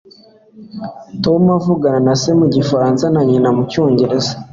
tom avugana na se mu gifaransa na nyina mu cyongereza